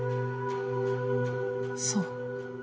そう。